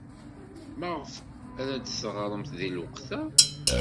Maɣef ar ad d-teɣrem deg lweqt-a?